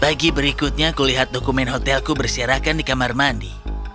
bagi berikutnya kulihat dokumen hotel ku bersiarkan di kamar mandi